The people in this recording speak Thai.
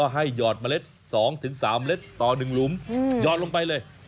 หยอดเมล็ด๒๓เล็ดต่อ๑หลุมหยอดลงไปเลย